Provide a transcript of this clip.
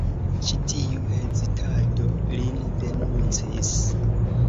Ĉi tiu hezitado lin denuncis.